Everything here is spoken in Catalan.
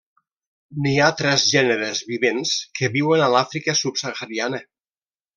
N'hi ha tres gèneres vivents, que viuen a l'Àfrica subsahariana.